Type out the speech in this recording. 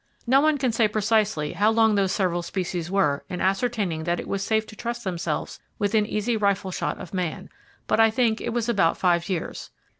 No one can say precisely how long those several species were in ascertaining that it was safe to trust themselves within easy rifle shot of man; but I think it was about five years.